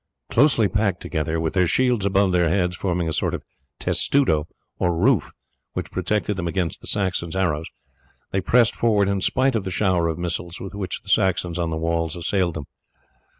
Closely packed together, with their shields above their heads forming a sort of testudo or roof which protected them against the Saxons' arrows, they pressed forward in spite of the shower of missiles with which the Saxons on the walls assailed them.